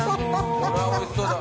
これはおいしそうだ。